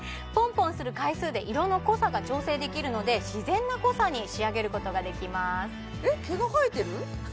ポンポンする回数で色の濃さが調整できるので自然な濃さに仕上げることができますえ？